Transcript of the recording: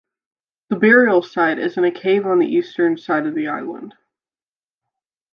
The burial site is in a cave on the eastern side of the island.